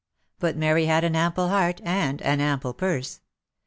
But Mary had an ample heart, and an ample purse.